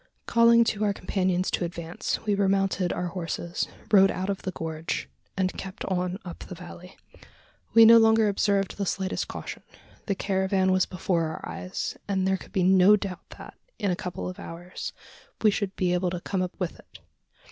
Calling to our companions to advance, we remounted our horses, rode out of the gorge, and kept on up the valley. We no longer observed the slightest caution. The caravan was before our eyes; and there could be no doubt that, in a couple of hours, we should be able to come up with it.